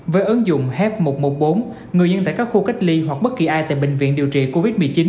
với ứng dụng h một trăm một mươi bốn người dân tại các khu cách ly hoặc bất kỳ ai tại bệnh viện điều trị covid một mươi chín